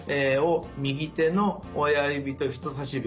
右手の親指と人さし指